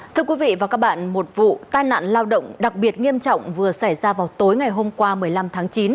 thưa quý vị và các bạn một vụ tai nạn lao động đặc biệt nghiêm trọng vừa xảy ra vào tối ngày hôm qua một mươi năm tháng chín